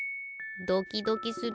ドキドキする。